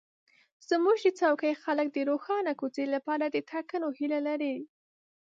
زموږ د کوڅې خلک د روښانه کوڅې لپاره د ټاکنو هیله لري.